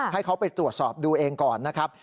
ให้เขาไปตรวจสอบดูเองก่อนนะครับ